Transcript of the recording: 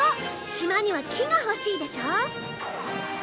島には木が欲しいでしょ！